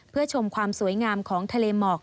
เพื่อชมความสวยงามของทะเลหมอก